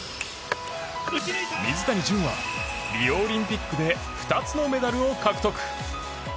水谷隼はリオオリンピックで２つのメダルを獲得。